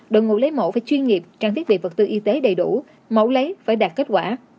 đội ngũ lấy mẫu phải chuyên nghiệp trang thiết bị vật tư y tế đầy đủ mẫu lấy phải đạt kết quả